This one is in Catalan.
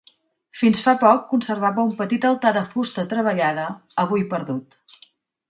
Fins fa poc conservava un petit altar de fusta treballada, avui perdut.